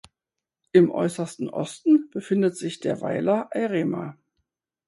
Im äußersten Osten befindet sich der Weiler Airema.